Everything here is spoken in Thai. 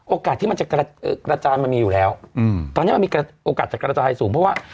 ที่มันจะกระจายมันมีอยู่แล้วตอนนี้มันมีโอกาสจะกระจายสูงเพราะว่า